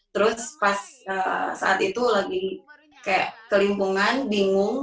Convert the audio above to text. terus pas saat itu lagi kayak kelimpungan bingung